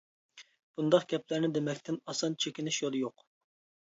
بۇنداق گەپلەرنى دېمەكتىن ئاسان چېكىنىش يولى يوق.